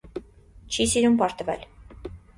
Չի սիրում պարտվել։